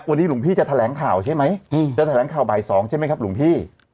วันนี้หลวงพี่จะแถลงข่าวใช่ไหมจะแถลงข่าวบ่าย๒ใช่ไหมครับหลวงพี่